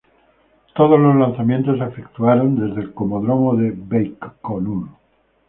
Todos los lanzamientos se efectuaron desde el cosmódromo de Baikonur.